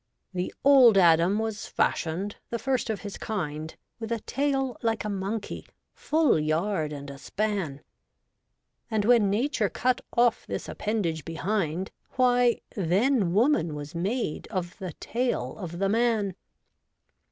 ' The old Adam was fashioned, the first of his kind. With a tail like a monkey, full yard and a span ; And when Nature cut off this appendage behind, Why, then woman was made of the tail of the man.